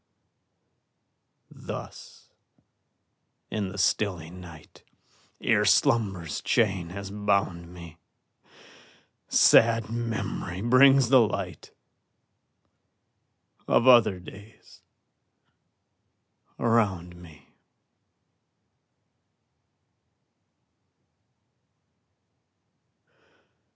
Thus, in the stilly night, Ere slumber's chain has bound me, Sad Memory brings the light Of other days around me.